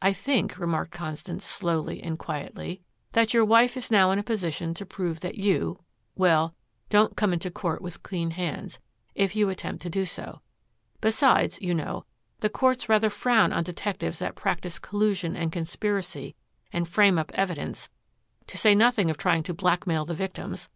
"I think," remarked Constance slowly and quietly, "that your wife is now in a position to prove that you well, don't come into court with clean hands, if you attempt to do so. Besides, you know, the courts rather frown on detectives that practice collusion and conspiracy and frame up evidence, to say nothing of trying to blackmail the victims.